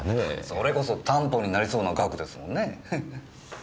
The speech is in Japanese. それこそ担保になりそうな額ですもんねぇ。